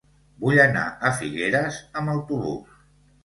Vull anar a Figueres amb autobús.